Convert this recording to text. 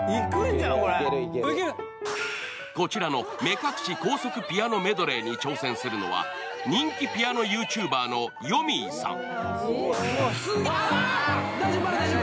こちらの目隠し高速ピアノメドレーに挑戦するのは、人気ピアノＹｏｕＴｕｂｅｒのよみぃさん。